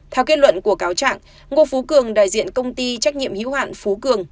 theo kết luận của cáo trạng ngô phú cường đại diện công ty trách nhiệm hữu hạn phú cường